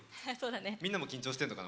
みんなも緊張してるのかな？